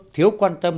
thiếu quan tâm